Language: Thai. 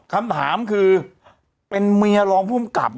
คำถามคือเป็นเมียรองภูมิกับ